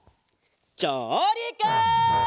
じょうりく！